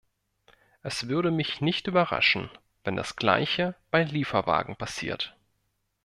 Es würde mich nicht überraschen, wenn das gleiche bei Lieferwagen passiert.